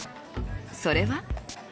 それは。